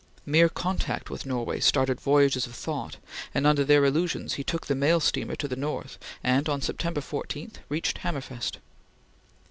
Mere contact with Norway started voyages of thought, and, under their illusions, he took the mail steamer to the north, and on September 14, reached Hammerfest.